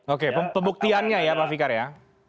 oke pembuktiannya ya pak fikar ya